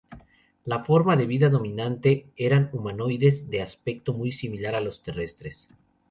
La forma de vida dominante eran humanoides, de aspecto muy similar a los terrestres.